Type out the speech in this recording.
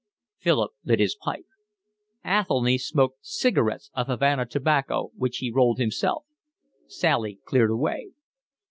Philip lit his pipe. Athelny smoked cigarettes of Havana tobacco, which he rolled himself. Sally cleared away.